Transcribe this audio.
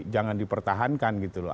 jangan dipertahankan gitu loh